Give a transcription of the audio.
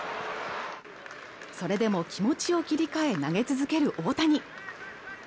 それでも気持ちを切り替え投げ続ける大谷